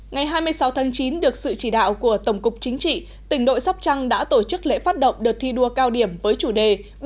ngày hai mươi sáu tháng chín được sự chỉ đạo của tổng cục chính trị tỉnh đội sóc trăng đã tổ chức lễ phát động đợt thi đua cao điểm với chủ đề